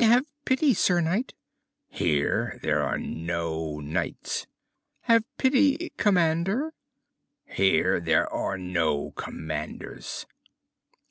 "Have pity, Sir Knight!" "Here there are no knights!" "Have pity, Commander!" "Here there are no commanders!"